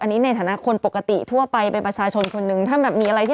อันนี้ในฐานะคนปกติทั่วไปเป็นประชาชนคนหนึ่งถ้าแบบมีอะไรที่